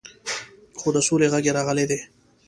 خو د سولې غږ یې راغلی دی.